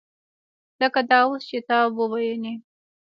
لکه دا اوس چې تا وویلې.